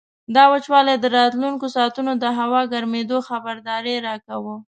دا وچوالی د راتلونکو ساعتونو د هوا ګرمېدو خبرداری راکاوه.